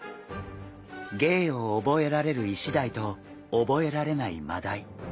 芸を覚えられるイシダイと覚えられないマダイ。